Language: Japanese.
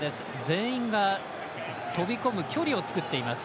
全員が飛び込む距離を作っています。